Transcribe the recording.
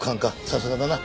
さすがだな。